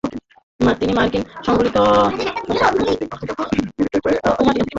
তিনি মার্কিন সাংগঠনিক ভাষাবিজ্ঞানের প্রধান।